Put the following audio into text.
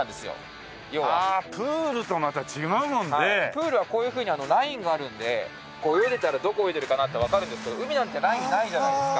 プールはこういうふうにラインがあるんで泳いでたらどこ泳いでるかなってわかるんですけど海なんてラインないじゃないですか。